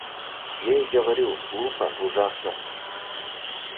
Я и говорю, глупо ужасно.